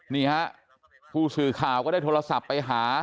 นี่ฮะผู้สื่อข่าวก็ได้โทรศัพท์ไปหา